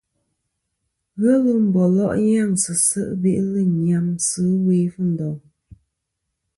Ghelɨ mbòlo' nyaŋsɨ se' be'lɨ nyamsɨ ɨwe Fundong.